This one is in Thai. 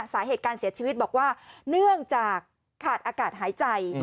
สาเหตุการเสียชีวิตบอกว่าเนื่องจากขาดอากาศหายใจ